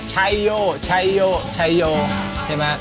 ชัยโยใช่ไหม